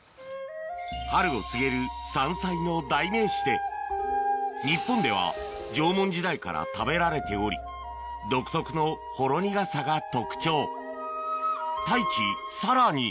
春を告げる山菜の代名詞で日本では縄文時代から食べられており独特のほろ苦さが特徴太一さらに